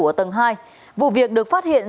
ở tầng hai vụ việc được phát hiện